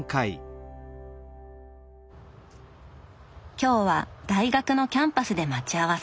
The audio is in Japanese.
今日は大学のキャンパスで待ち合わせ。